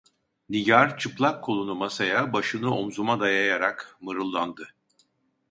Nigar çıplak kolunu masaya, başını omzuma dayayarak mırıldandı.